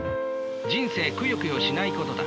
人生くよくよしないことだ。